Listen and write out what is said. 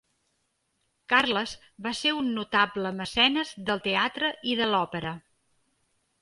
Carles va ser un notable mecenes del teatre i de l'òpera.